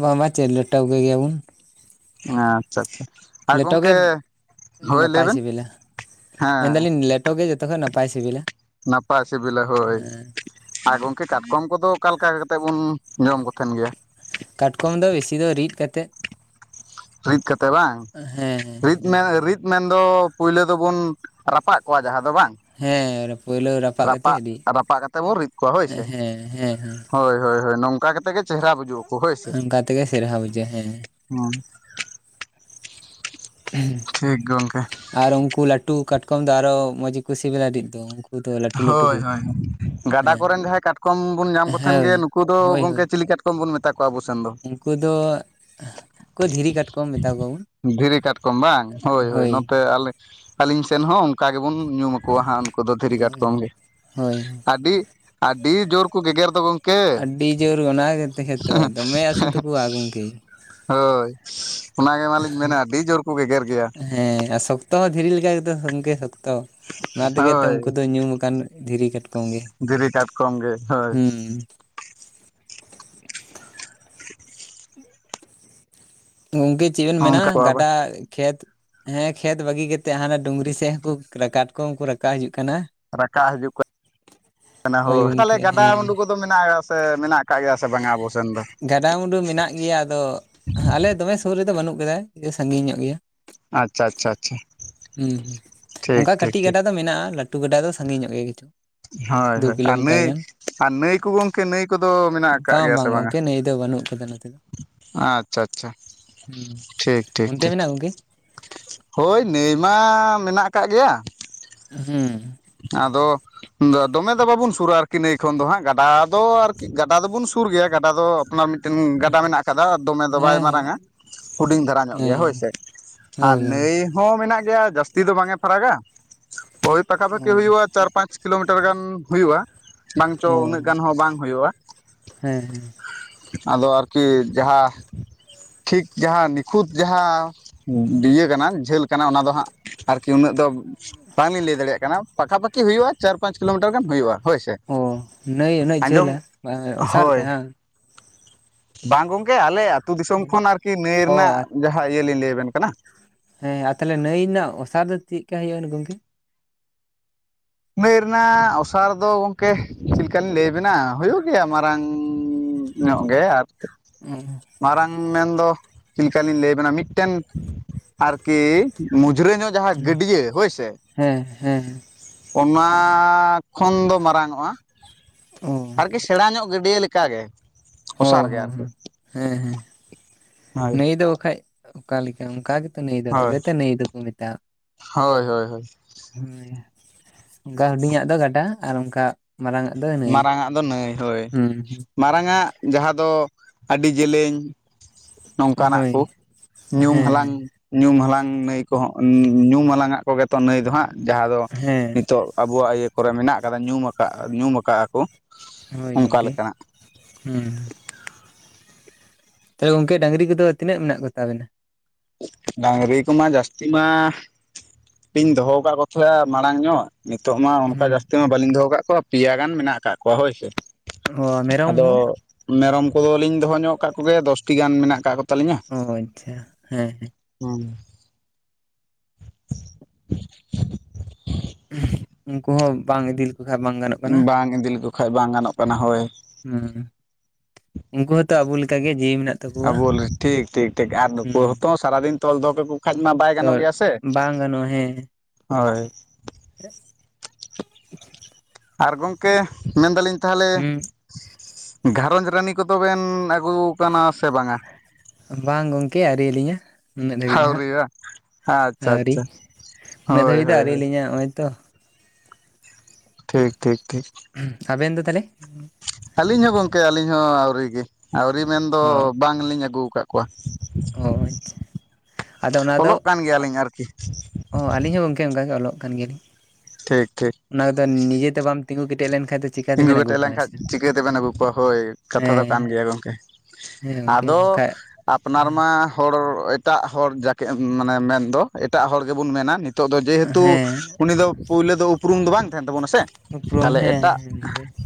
Speaker 1: ᱵᱟᱝᱵᱟ ᱪᱮᱫ ᱞᱮᱴ ᱠᱚ ᱜᱮᱭᱟ ᱵᱚᱱ᱾
Speaker 2: ᱟᱪᱪᱷᱟ ᱟᱪᱪᱷᱟ ᱟᱨ
Speaker 1: ᱞᱮᱴᱚ ᱜᱮ
Speaker 2: ᱜᱚᱝᱠᱮ ᱦᱳᱭ ᱞᱟᱹᱭ
Speaker 1: ᱱᱟᱯᱟᱭ
Speaker 2: ᱵᱮᱱ
Speaker 1: ᱥᱤᱵᱤᱞᱟ᱾ ᱢᱮᱱᱫᱟ
Speaker 2: ᱦᱮᱸ
Speaker 1: ᱞᱤᱧ ᱞᱮᱴ ᱜᱮ ᱡᱚᱛᱚ ᱠᱷᱚᱡ ᱱᱟᱯᱟᱭ ᱥᱤᱵᱤᱞᱟ᱾
Speaker 2: ᱱᱟᱯᱟᱭ ᱥᱤᱵᱤᱞᱟ ᱦᱳᱭ᱾ ᱟᱨ ᱜᱚᱝᱠᱮ ᱠᱟᱴᱠᱚᱢ ᱠᱚᱫᱚ ᱚᱠᱟ ᱞᱮᱠᱟ ᱠᱟᱛᱮᱫ ᱵᱚᱱ ᱡᱚᱢ ᱠᱚ ᱛᱟᱦᱮᱱ ᱜᱮᱭᱟ?
Speaker 1: ᱠᱟᱴᱠᱚᱢ ᱫᱚ ᱵᱤᱥᱤ ᱫᱚ ᱨᱤᱫᱽ ᱠᱟᱛᱮᱫ᱾
Speaker 2: ᱨᱤᱫ ᱠᱟᱛᱮ ᱵᱟᱝ?
Speaker 1: ᱦᱮᱸ ᱦᱮᱸ᱾
Speaker 2: ᱨᱤᱫ ᱢᱮᱱ ᱨᱤᱫ ᱢᱮᱱ ᱫᱚ ᱯᱳᱭᱞᱳ ᱫᱚᱵᱚᱱ ᱨᱟᱯᱟᱜ ᱠᱚᱣᱟ ᱡᱟᱦᱟᱸ ᱫᱚ ᱵᱟᱝ?
Speaker 1: ᱦᱮᱸ ᱯᱳᱭᱞᱳ ᱠᱟᱛᱮᱫ
Speaker 2: ᱨᱟᱯᱟᱜ
Speaker 1: ᱨᱤᱫ
Speaker 2: ᱨᱟᱯᱟᱜ ᱠᱟᱛᱮ ᱵᱚᱱ ᱨᱤᱫ ᱠᱚᱣᱟ ᱦᱳᱭ ᱥᱮ᱾
Speaker 1: ᱦᱮᱸ ᱦᱮᱸ ᱦᱮᱸ
Speaker 2: ᱦᱳᱭ ᱦᱳᱭ ᱦᱳᱭ ᱱᱚᱝᱠᱟ ᱚᱱᱠᱟ ᱠᱟᱛᱮ ᱜᱮ ᱪᱮᱦᱨᱟ ᱵᱩᱡᱩᱜ ᱟᱠᱚ ᱦᱳᱭ ᱥᱮ᱾
Speaker 1: ᱚᱱᱠᱟ ᱛᱮᱜᱮ ᱪᱮᱨᱦᱟ ᱵᱩᱡᱷᱟᱹᱜᱼᱟ ᱦᱮᱸ
Speaker 2: ᱦᱮᱸ᱾ ᱴᱷᱤᱠ ᱜᱚᱢᱠᱮ᱾
Speaker 1: ᱟᱨ ᱩᱝᱠᱩ ᱞᱟᱹᱴᱩ ᱠᱟᱴᱠᱚᱢ ᱫᱚ ᱟᱨᱚ ᱢᱚᱸᱡᱽ ᱜᱮᱠᱚ ᱥᱤᱵᱤᱞᱟ ᱨᱤᱫ ᱫᱚ᱾ ᱫᱚ ᱞᱟᱹᱴᱩ ᱞᱟᱹᱴᱩ
Speaker 2: ᱦᱳᱭ
Speaker 1: ᱠᱚ
Speaker 2: ᱦᱳᱭ, ᱜᱟᱰᱟ
Speaker 1: ᱦᱮᱸ
Speaker 2: ᱠᱚᱨᱮᱱ ᱡᱟᱦᱟᱸᱭ ᱠᱟᱴᱠᱚᱢ ᱵᱚᱱ ᱧᱟᱢ ᱠᱚᱛᱮᱱ ᱜᱮ
Speaker 1: ᱦᱳᱭ
Speaker 2: ᱱᱩᱠᱩ ᱫᱚ
Speaker 1: ᱦᱳᱭ
Speaker 2: ᱜᱚᱝᱠᱮ
Speaker 1: ᱦᱳᱭ
Speaker 2: ᱪᱤᱞᱤ ᱠᱟᱴᱠᱚᱢ ᱡᱚᱢ ᱵᱚᱱ ᱢᱮᱛᱟᱣ ᱟᱵᱳ ᱥᱮᱱ ᱫᱚ?
Speaker 1: ᱩᱱᱠᱩ ᱫᱚ ᱠᱚ ᱫᱷᱤᱨᱤ ᱠᱟᱴᱠᱚᱢ ᱢᱮᱛᱟ ᱠᱚᱣᱟ ᱵᱚᱱ᱾
Speaker 2: ᱫᱷᱤᱨᱤ ᱠᱟᱴᱠᱚᱢ ᱵᱟᱝ ᱦᱳᱭ ᱦᱳᱭ ᱱᱚᱛᱮ ᱟᱹᱞᱤᱧ ᱥᱮᱱ ᱦᱚᱸ ᱚᱱᱠᱟ ᱜᱮᱵᱚᱱ ᱧᱩᱢ ᱟᱠᱚᱣᱟ ᱦᱟᱸᱜ᱾ ᱩᱱᱠᱩ ᱫᱚ ᱫᱷᱤᱨᱤ ᱠᱟᱴᱠᱚᱢ ᱜᱮ
Speaker 1: ᱦᱳᱭ
Speaker 2: ᱟᱹᱰᱤ ᱟᱹᱰᱤ ᱡᱳᱨ ᱠᱚ ᱜᱮᱜᱮᱨ ᱫᱚ ᱜᱚᱝᱠᱮ᱾
Speaker 1: ᱟᱹᱰᱤ ᱟᱹᱰᱤ ᱡᱳᱨ ᱚᱱᱟ ᱜᱮᱛᱮ ᱫᱚᱢᱮ ᱟᱥᱩ ᱛᱟᱠᱚ ᱟ ᱜᱚᱝᱠᱮ᱾
Speaker 2: ᱦᱳᱭ ᱚᱱᱟ ᱜᱮ ᱢᱟᱞᱤᱧ ᱢᱮᱱᱟ ᱟᱹᱰᱤ ᱡᱳᱨ ᱠᱚ ᱜᱮᱜᱮᱨ ᱜᱮᱭᱟ᱾
Speaker 1: ᱦᱮᱸ ᱟᱨ ᱥᱚᱠᱛᱚ ᱦᱚᱸ ᱫᱷᱤᱨᱤ ᱞᱮᱠᱟ ᱛᱚ ᱥᱚᱝᱜᱮ ᱥᱚᱠᱛᱚ, ᱚᱱᱟ ᱛᱮᱜᱮᱛ ᱩᱱᱠᱩ
Speaker 2: ᱦᱳᱭ
Speaker 1: ᱫᱚ ᱧᱩᱢ ᱟᱠᱟᱱ ᱫᱷᱤᱨᱤ ᱠᱟᱴᱠᱚᱢ᱾ ᱜᱮ
Speaker 2: ᱫᱷᱤᱨᱤ ᱠᱟᱴᱠᱚᱢ ᱜᱮ ᱦᱳᱭ᱾
Speaker 1: ᱦᱩᱸ
Speaker 2: [inaudible]
Speaker 1: ᱜᱚᱝᱠᱮ ᱪᱮᱫ ᱵᱮᱱ ᱢᱮᱱᱟ
Speaker 2: ᱚᱱᱠᱟ
Speaker 1: ᱜᱟᱰᱟ, ᱠᱷᱮᱛ ᱦᱮᱸ ᱠᱷᱮᱛ ᱵᱟᱹᱜᱤ ᱠᱟᱛᱮᱜ ᱦᱟᱱᱟ ᱰᱩᱝᱨᱤ ᱥᱮᱫ ᱦᱚᱸᱠᱚ ᱠᱟᱴᱠᱚᱢ ᱩᱱᱠᱩ ᱨᱟᱠᱟᱵ ᱦᱤᱡᱩᱜ ᱠᱟᱱᱟ᱾
Speaker 2: ᱨᱟᱠᱟᱜ ᱦᱤᱡᱩᱜ ᱠᱟᱱᱟ᱾ ᱦᱳᱭ ᱛᱟᱦᱚᱞᱮ
Speaker 1: ᱜᱚᱢᱠᱮ
Speaker 2: ᱜᱟᱰᱟ
Speaker 1: ᱦᱮᱸ
Speaker 2: ᱢᱩᱰᱩ ᱠᱚᱫᱚ ᱢᱮᱱᱟᱜ ᱥᱮ ᱢᱮᱱᱟᱜ ᱟᱠᱟᱫ ᱜᱮᱭᱟ ᱥᱮ ᱵᱟᱝᱼᱟ᱾ ᱟᱵᱚ ᱥᱮᱱ ᱫᱚ?
Speaker 1: ᱜᱟᱰᱟ-ᱢᱩᱰᱩ ᱢᱮᱱᱟᱜ ᱜᱮᱭᱟ᱾ ᱟᱫᱚ ᱟᱞᱮ ᱫᱚᱢᱮ ᱥᱩᱨ ᱨᱮᱫᱚ ᱵᱟᱹᱱᱩᱜ ᱠᱟᱫᱟ, ᱠᱟᱹᱴᱤᱡ ᱥᱟᱺᱜᱤᱧ ᱧᱚᱜ ᱜᱮᱭᱟ᱾
Speaker 2: ᱟᱪᱪᱷᱟ ᱟᱪᱪᱷᱟ ᱟᱪᱪᱷᱟ
Speaker 1: ᱦᱩᱸ, ᱦᱩᱸ,
Speaker 2: ᱴᱷᱤᱠ
Speaker 1: ᱚᱝᱠᱟ
Speaker 2: ᱴᱷᱤᱠ
Speaker 1: ᱠᱟᱹᱴᱤᱡ
Speaker 2: ᱴᱷᱤᱠ
Speaker 1: ᱜᱟᱰᱟ ᱫᱚ ᱢᱮᱱᱟᱜᱼᱟ᱾ ᱞᱟᱹᱴᱩ ᱞᱟᱹᱴᱩ ᱜᱟᱰᱟ ᱫᱚ, ᱥᱟᱺᱜᱤᱧ ᱧᱚᱜ ᱜᱮ ᱠᱤᱪᱷᱩ᱾ ᱫᱩ
Speaker 2: ᱦᱚᱭ-ᱦᱚᱭ, ᱟᱨ
Speaker 1: ᱠᱤᱞᱳᱢᱤᱴᱟᱨ
Speaker 2: ᱱᱟᱹᱭ
Speaker 1: ᱜᱟᱱ
Speaker 2: ᱟᱨ ᱱᱟᱹᱭ ᱠᱚ ᱜᱚᱢᱠᱮ ᱱᱟᱹᱭ ᱠᱚᱫᱚ ᱢᱮᱱᱟᱜ ᱠᱟᱜ ᱜᱮᱭᱟ ᱥᱮ ᱵᱟᱝᱼᱟ?
Speaker 1: ᱱᱚᱛᱮᱫᱚ ᱵᱟᱹᱱᱩᱜ ᱠᱟᱫᱟ ᱱᱚᱛᱮ ᱫᱚ᱾
Speaker 2: ᱟᱪᱪᱷᱟ, ᱟᱪᱪᱷᱟ᱾
Speaker 1: ᱦᱩᱸ
Speaker 2: ᱴᱷᱤᱠ, ᱴᱷᱤᱠ,
Speaker 1: ᱚᱱᱛᱮ
Speaker 2: ᱴᱷᱤᱠ᱾
Speaker 1: ᱢᱮᱱᱟᱜᱼᱟ ᱜᱚᱝᱠᱮ
Speaker 2: ᱦᱳᱭ ᱱᱟᱹᱭ ᱢᱟ, ᱢᱮᱱᱟᱜ ᱠᱟᱜ ᱜᱮᱭᱟ,
Speaker 1: ᱦᱩᱸ
Speaker 2: ᱟᱫᱚ ᱫᱚᱢᱮ ᱫᱚ ᱵᱟᱵᱚᱱ ᱥᱩᱨᱟ ᱟᱨᱠᱤ, ᱱᱟᱹᱭ ᱠᱷᱚᱱ ᱫᱚ ᱦᱟᱸᱜ ᱜᱟᱰᱟ ᱫᱚ, ᱟᱨᱠᱤ ᱜᱟᱰᱟ ᱫᱚᱵᱚᱱ ᱥᱩᱨ ᱜᱮᱭᱟ᱾ ᱜᱟᱰᱟ ᱫᱚ ᱟᱯᱱᱟᱨ ᱢᱤᱫ ᱢᱤᱫᱴᱮᱱ ᱜᱟᱰᱟ ᱢᱮᱱᱟᱜ ᱠᱟᱫᱟ ᱫᱚᱢᱮ ᱫᱚ ᱵᱟᱭ
Speaker 1: ᱦᱮᱸ
Speaker 2: ᱢᱟᱨᱟᱝᱼᱟ᱾ ᱦᱩᱰᱤᱧ ᱫᱷᱟᱨᱟ ᱧᱚᱜ ᱜᱮᱭᱟ,
Speaker 1: ᱦᱮᱸ
Speaker 2: ᱦᱳᱭ ᱥᱮ ᱟᱨ
Speaker 1: ᱦᱳᱭ ᱦᱳᱭ
Speaker 2: ᱱᱟᱹᱭ ᱦᱚᱸ ᱢᱮᱱᱟᱜ ᱜᱮᱭᱟ ᱡᱟᱹᱥᱛᱤ ᱫᱚ, ᱵᱟᱝ ᱮ ᱯᱷᱟᱨᱟᱟ ᱳᱭ ᱯᱟᱷᱟᱠᱟ
Speaker 1: ᱚ
Speaker 2: ᱯᱟᱠᱤ ᱦᱩᱭᱩᱜᱼᱟ, ᱪᱟᱨ ᱯ ᱯᱟᱸᱪ ᱠᱤᱞᱳᱢᱤᱴᱟᱨ ᱜᱟᱱ ᱦᱩᱭᱩᱜᱼᱟ᱾ ᱵᱟᱝ ᱪᱚ
Speaker 1: ᱚ
Speaker 2: ᱩᱱᱟᱹᱜ ᱜᱟᱱ ᱦᱚᱸ ᱵᱟᱝ ᱦᱳᱭᱳᱜᱼᱟ᱾
Speaker 1: ᱦᱮᱸ ᱦᱮᱸ
Speaker 2: ᱟᱫᱚ ᱟᱨᱠᱤ ᱡᱟᱦᱟᱸ ᱴᱷᱤᱠ ᱡᱟᱦᱟᱸ ᱱᱤᱠᱷᱩᱛ ᱡᱟᱦᱟᱸ, ᱤᱭᱟᱹ ᱠᱟᱱᱟ ᱡᱷᱟᱹᱞ ᱠᱟᱱᱟ, ᱚᱱᱟ ᱫᱚ ᱦᱟᱸᱜ᱾ ᱟᱨᱠᱤ ᱩᱱᱟᱹᱜ ᱫᱚ ᱵᱟᱝᱞᱤᱧ ᱞᱟᱹᱭ ᱫᱟᱲᱮᱭᱟᱜ ᱠᱟᱱᱟ, ᱯᱟᱠᱟᱷᱟ ᱯᱟᱠᱤ ᱦᱩᱭᱩᱜᱼᱟ ᱪᱟᱨ ᱯᱟᱸᱪ ᱠᱤᱞᱳᱢᱤᱴᱟᱨ ᱜᱟᱱ ᱦᱩᱭᱩᱜᱼᱟ, ᱦᱳᱭᱥᱮ᱾
Speaker 1: ᱚ ᱱᱟᱹᱭ ᱩᱱᱟᱹᱜ ᱡᱷᱟᱹᱞᱟ, ᱵᱟᱝ ᱚᱥᱟᱨ ᱛᱮ
Speaker 2: ᱦᱳᱭ
Speaker 1: ᱵᱟᱝ?
Speaker 2: ᱵᱟᱝ ᱜᱚᱝᱠᱮ ᱟᱞᱮ ᱟ ᱟᱹᱛᱩᱳ ᱫᱤᱥᱚᱢ ᱠᱷᱚᱱ, ᱟᱨᱠᱤ ᱱᱟᱹᱭ
Speaker 1: ᱚ
Speaker 2: ᱨᱮᱱᱟᱜ ᱡᱟᱦᱟᱸ ᱤᱭᱟᱹ ᱞᱤᱧ ᱞᱟᱹᱭᱟᱵᱮᱱ ᱠᱟᱱᱟ᱾
Speaker 1: ᱦᱮᱸ ᱟᱨ ᱛᱟᱦᱚᱞᱮ ᱱᱟᱹᱭ ᱨᱮᱱᱟᱜ ᱚᱥᱟᱨ ᱫᱚ, ᱪᱮᱫ ᱠᱟ ᱦᱳᱭᱳᱜᱼᱟ ᱜᱚᱝᱠᱮ?
Speaker 2: ᱱᱟᱹᱭ ᱨᱮᱱᱟᱜ ᱚᱥᱟᱨ ᱫᱚ, ᱜᱚᱝᱠᱮ ᱪᱮᱫ ᱞᱮᱠᱟ ᱞᱤᱧ ᱞᱟᱹᱭᱟᱵᱮᱱᱟ ᱦᱳᱭᱳᱜ ᱜᱮᱭᱟ, ᱢᱟᱨᱟᱝ ᱧᱚᱜ ᱜᱮ ᱟᱨ
Speaker 1: ᱦᱮᱸ [unintelligible]
Speaker 2: ᱢᱟᱨᱟᱝ ᱢᱮᱱᱫᱚ, ᱪᱮᱫ ᱞᱮᱠᱟᱞᱤᱧ ᱞᱟᱹᱭ ᱟᱵᱮᱱᱟ ᱢᱤᱫᱴᱮᱱ ᱟᱨᱠᱤ ᱢᱩᱡᱽᱨᱟᱹ ᱧᱚᱜ ᱡᱟᱦᱟᱸ ᱜᱟᱹᱰᱭᱟᱹ, ᱦᱳᱭ ᱥᱮ᱾
Speaker 1: ᱦᱮᱸ, ᱦᱮᱸ᱾
Speaker 2: ᱚᱱᱟ ᱠᱷᱚᱱ ᱫᱚ ᱢᱟᱨᱟᱝ ᱚᱜᱼᱟ᱾
Speaker 1: ᱚ
Speaker 2: ᱟᱨᱠᱤ ᱥᱮᱬᱟ ᱧᱚᱜ ᱜᱟᱹᱰᱭᱟᱹ ᱞᱮᱠᱟᱜᱮ᱾
Speaker 1: ᱦᱚ,
Speaker 2: ᱚᱥᱟᱨ ᱜᱮ ᱟᱨᱠᱤ
Speaker 1: ᱦᱮ, ᱦᱮᱸ, ᱦᱮᱸ
Speaker 2: ᱦᱳᱭ
Speaker 1: ᱱᱟᱭ ᱫᱚ ᱵᱟᱠᱷᱟᱡ ᱚᱠᱟ ᱞᱮᱠᱟ, ᱚᱱᱠᱟ ᱜᱮ ᱱᱟᱹᱭ ᱫᱚ,
Speaker 2: ᱦᱳᱭ
Speaker 1: ᱛᱚᱵᱮ ᱛᱚ ᱱᱟᱹᱭ ᱫᱚᱠᱚ ᱢᱮᱛᱟᱣᱟ᱾
Speaker 2: ᱦᱳᱭ, ᱦᱳᱭ, ᱦᱳᱭ᱾
Speaker 1: ᱦᱮᱸ ᱚᱝᱠᱟ ᱦᱩᱰᱤᱧᱟᱜ ᱫᱚ ᱜᱟᱰᱟ, ᱟᱨ ᱚᱝᱠᱟ
Speaker 2: ᱢᱟᱨᱟᱝ ᱟᱜ ᱫᱚ ᱱᱟᱹᱭ, ᱦᱳᱭ
Speaker 1: ᱦᱩᱸ
Speaker 2: ᱢᱟᱨᱟᱝ ᱟᱜ ᱡᱟᱦᱟᱸ ᱫᱚ, ᱟᱹᱰᱤ ᱡᱮᱞᱮᱧ᱾ ᱱᱚᱝᱠᱟᱱᱟᱜ
Speaker 1: ᱦᱳᱭ
Speaker 2: ᱠᱚ ᱧᱩᱢ ᱦᱟᱞᱟᱝ᱾
Speaker 1: ᱦᱮᱸ
Speaker 2: ᱧᱩᱢ ᱦᱟᱞᱟᱝ ᱱᱟᱹᱭ ᱠᱚᱦᱚᱸ, ᱧᱩᱢ ᱦᱟᱞᱟᱝᱟᱜ ᱠᱚᱜᱮ ᱛᱚ, ᱱᱟᱹᱭ ᱫᱚ ᱦᱟᱸᱜ᱾ ᱡᱟᱦᱟᱸ ᱫᱚ
Speaker 1: ᱦᱮᱸ
Speaker 2: ᱱᱤᱛᱚᱜ ᱟᱵᱚᱣᱟᱜ, ᱤᱭᱟᱹ ᱠᱚᱨᱮ ᱢᱮᱱᱟᱜ ᱠᱟᱫᱟ, ᱧᱩᱢ ᱟᱠᱟᱫ ᱧᱩᱢ ᱟᱠᱟ
Speaker 1: ᱦᱳᱭ, ᱜᱚᱢᱠᱮ ᱦᱮᱸ᱾ ᱛᱟᱦᱚᱞᱮ ᱜᱠ ᱰᱟᱝᱨᱤ ᱠᱚᱫᱚ, ᱛᱤᱱᱟᱹᱜ ᱢᱮᱱᱟᱜ ᱠᱚᱛᱟᱵᱮᱱᱟ?
Speaker 2: ᱰᱟᱝᱨᱤ ᱠᱚᱢᱟ ᱡᱟᱹᱥᱛᱤ ᱢᱟ, ᱵᱟᱹᱧ ᱫᱚᱦᱚᱣᱟ ᱠᱟᱜ ᱠᱚ ᱛᱟᱦᱮᱜ-ᱟ, ᱢᱟᱲᱟᱝ ᱧᱚᱜ᱾ ᱱᱤᱛᱚᱜ ᱢᱟ ᱚᱱᱠᱟ
Speaker 1: ᱦᱩᱸ
Speaker 2: ᱡᱟᱹᱥᱛᱤ ᱢᱟ, ᱵᱟᱹᱞᱤᱧ ᱫᱚᱦᱚ ᱠᱟᱜ ᱠᱚᱣᱟ, ᱯᱮᱭᱟ ᱜᱟᱱ ᱢᱮᱱᱟᱜ ᱠᱟᱜ ᱠᱚᱣᱟ ᱦᱳᱭ ᱥᱮ᱾
Speaker 1: ᱚ ᱢᱮᱨᱚᱢ
Speaker 2: ᱟᱫᱚ
Speaker 1: ᱦᱚᱸ
Speaker 2: ᱢᱮᱨᱚᱢ ᱠᱚᱫᱚᱞᱤᱧ ᱫᱚᱦᱚ ᱧᱚᱜ ᱠᱟᱜ ᱠᱚᱜᱮᱭᱟ, ᱫᱚᱥᱴᱤ ᱜᱟᱱ ᱢᱮᱱᱟᱜ ᱠᱟᱜ ᱠᱚᱛᱟᱞᱤᱧᱟ᱾
Speaker 1: ᱚ ᱟᱪᱪᱷᱟ, ᱦᱮᱸ, ᱦᱮᱸ᱾
Speaker 2: ᱦᱩᱸ,
Speaker 1: ᱩᱱᱠᱩ ᱦᱚᱸ ᱵᱟᱝ ᱤᱫᱤ ᱞᱮᱠᱚ, ᱠᱷᱟᱱ ᱵᱟᱝ ᱜᱟᱱᱚᱜᱼᱟ᱾
Speaker 2: ᱵᱟᱝ ᱤᱫᱤ ᱞᱮᱠᱚ ᱠᱷᱟᱡ, ᱵᱟᱝ ᱜᱟᱱᱚᱜ ᱠᱟᱱᱟ ᱦᱳᱭ᱾
Speaker 1: ᱦᱮᱸ ᱩᱱᱠᱩ ᱦᱚᱸᱛᱚ ᱟᱵᱚ ᱞᱮᱠᱟᱜ ᱜᱮ, ᱡᱤᱣᱤ ᱢᱮᱱᱟᱜ ᱛᱟᱠᱚᱣᱟ᱾
Speaker 2: ᱟ ᱵᱚᱞ ᱴᱷᱤᱠ ᱴᱷᱤᱠ ᱴᱷᱤᱠ ᱟᱨᱚᱛᱚ
Speaker 1: ᱦᱩᱸ
Speaker 2: ᱦᱚᱸ ᱥᱟᱨᱟᱫᱤᱱ ᱠᱚ ᱠᱷᱟᱡᱫ ᱢᱟ ᱵᱟᱭ
Speaker 1: ᱛᱚ
Speaker 2: ᱜᱟᱱᱚᱜ ᱜᱮᱭᱟ ᱥᱮ,
Speaker 1: ᱵᱟᱝ ᱜᱟᱱᱚᱜᱼᱟ
Speaker 2: ᱦᱳᱭ ᱾
Speaker 1: ᱪᱮᱫ?
Speaker 2: ᱟᱨ ᱜᱚᱢᱠᱮ ᱢᱮᱱᱫᱟᱞᱤᱧ ᱛᱟᱦᱚᱞᱮ
Speaker 1: ᱦᱩᱸ
Speaker 2: ᱜᱷᱟᱨᱚᱸᱡᱽ ᱨᱟᱹᱱᱤ ᱠᱚᱫᱚ ᱵᱮᱱ ᱟᱹᱜᱩᱣᱟᱠᱟᱱᱟ ᱥᱮ ᱵᱟᱝᱟ?
Speaker 1: ᱵᱟᱝ ᱜᱚᱝᱠᱮ ᱟᱹᱨᱤᱞᱤᱧᱟ ᱾ ᱱᱤᱱᱟᱹᱜ ᱫᱷᱟᱹᱵᱤᱡ ᱱᱷᱟᱜ
Speaker 2: ᱟᱹᱣᱨᱤ ᱵᱟᱝ ᱟᱪᱪᱷᱟ
Speaker 1: ᱟᱹᱣᱨᱤ,
Speaker 2: ᱟᱪᱪᱷᱟ
Speaker 1: ᱱᱤᱱᱟᱹᱜ
Speaker 2: ᱦᱳᱭ
Speaker 1: ᱫᱷᱟᱹᱵᱤᱡ ᱫᱚ
Speaker 2: ᱦᱳᱭ ᱦᱳᱭ
Speaker 1: ᱟᱹᱣᱨᱤᱭᱞᱤᱧᱟ ᱱᱚᱜᱼᱚᱭ ᱛᱚ ᱾
Speaker 2: ᱴᱷᱤᱠ ᱴᱷᱤᱠ ᱴᱷᱤᱠ ᱾
Speaker 1: ᱦᱩᱸ ᱟᱹᱵᱤᱱ ᱫᱚ ᱛᱟᱦᱞᱮ?
Speaker 2: ᱟᱹᱞᱤᱧ ᱦᱚᱸ ᱜᱚᱝᱠᱮ ᱟᱹᱞᱤᱧ ᱦᱚᱸ ᱟᱹᱣᱨᱤ ᱜᱮ ᱟᱹᱣᱨᱤ ᱢᱮᱱᱫᱚ
Speaker 1: ᱚ
Speaker 2: ᱵᱟᱝᱞᱤᱧ ᱟᱹᱜᱩ ᱟᱠᱟᱫ ᱠᱚᱣᱟ
Speaker 1: ᱚ ᱟᱪᱪᱷᱟ ᱟᱫᱚ ᱚᱱᱟ ᱫᱚ
Speaker 2: ᱚᱞᱚᱜ ᱠᱟᱱ ᱜᱮᱭᱟᱞᱤᱧ ᱟᱨᱠᱤ ᱾
Speaker 1: ᱚ ᱟᱹᱞᱤᱧ ᱦᱚᱸ ᱜᱚᱝᱠᱮ ᱚᱱᱠᱟ ᱜᱮ ᱚᱞᱚᱜ ᱠᱟᱱ ᱜᱮᱭᱟᱞᱤᱧ ᱾
Speaker 2: ᱴᱷᱤᱠ ᱴᱷᱤᱠ ᱾
Speaker 1: ᱚᱱᱟ ᱠᱚᱫᱚ ᱱᱤᱡᱮᱛᱮ ᱵᱟᱢ ᱛᱤᱸᱜᱩ ᱠᱮᱴᱮᱡ ᱞᱮᱱᱠᱷᱟᱱ ᱼᱼ
Speaker 2: ᱛᱤᱸᱜᱩ ᱠᱮᱴᱮᱡ ᱞᱮᱱᱠᱷᱟᱡ ᱪᱤᱠᱟᱹ ᱛᱮᱵᱮᱱ ᱟᱹᱜᱩ ᱠᱚᱣᱟ ᱦᱳᱭ ᱠᱟᱛᱷᱟ ᱫᱚ
Speaker 1: ᱦᱮᱸ
Speaker 2: ᱠᱟᱱ ᱜᱮᱭᱟ ᱜᱚᱢᱠᱮ ᱾
Speaker 1: ᱦᱮᱸ ᱜᱚᱢᱠᱮ ᱵᱟᱠᱷᱟᱡ
Speaker 2: ᱟᱯᱱᱟᱨ ᱢᱟ ᱦᱚᱲ ᱮᱴᱟᱜ ᱦᱚᱲ ᱡᱟᱠᱮ ᱢᱟᱱᱮ ᱢᱮᱱᱫᱚ ᱮᱴᱟᱜ ᱦᱚᱲ ᱜᱮᱵᱚᱱ ᱢᱮᱱᱟ ᱾ ᱱᱤᱛᱚᱜ ᱫᱚ ᱡᱮᱦᱮᱛᱩ
Speaker 1: ᱦᱮᱸ
Speaker 2: ᱩᱱᱤ ᱫᱚ ᱯᱩᱭᱞᱳ ᱫᱚ ᱩᱯᱨᱩᱢ ᱫᱚ ᱵᱟᱝ ᱛᱟᱦᱮᱱ ᱛᱟᱵᱚᱱᱟ ᱥᱮ
Speaker 1: ᱩᱯᱨᱩᱢ
Speaker 2: ᱛᱟᱦᱚᱞᱮ ᱮᱴᱟᱜ
Speaker 1: [unintelligible]